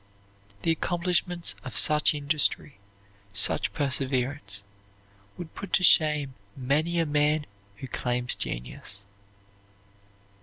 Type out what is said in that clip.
The accomplishments of such industry, such perseverance, would put to shame many a man who claims genius.